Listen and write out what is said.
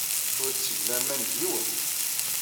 Ur tteg laman deg yiwen.